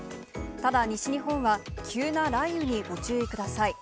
ただ、西日本は急な雷雨にご注意ください。